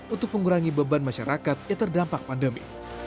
untuk mengurangi beban masyarakat yang terdampak pandemi